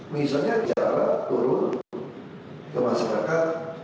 misalnya jarak turun ke masyarakat